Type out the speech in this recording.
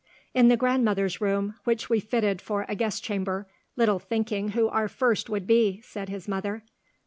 "In the grandmother's room, which we fitted for a guest chamber, little thinking who our first would be," said his mother.